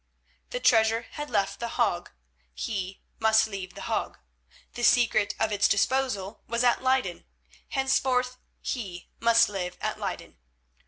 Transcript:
The treasure had left The Hague, he must leave The Hague. The secret of its disposal was at Leyden, henceforth he must live at Leyden.